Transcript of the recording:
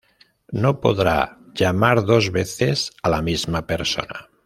No podrá llamar dos veces a la misma persona.